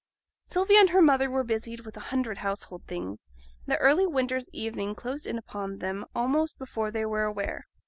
Sylvia and her mother were busied with a hundred household things, and the early winter's evening closed in upon them almost before they were aware.